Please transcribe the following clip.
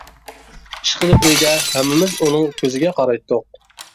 ئىشقىلىپ ئۆيدە ھەممىمىز ئۇنىڭ كۆزىگە قارايتتۇق.